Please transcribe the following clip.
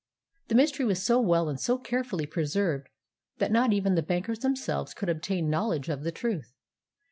The mystery was so well and so carefully preserved that not even the bankers themselves could obtain knowledge of the truth.